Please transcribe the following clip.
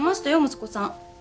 息子さん。